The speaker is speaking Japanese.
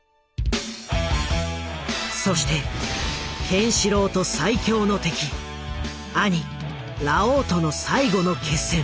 そしてケンシロウと最強の敵兄ラオウとの最後の決戦。